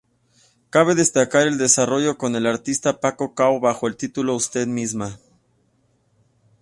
Cabe destacar el desarrollado con el artista Paco Cao bajo el título "Usted misma".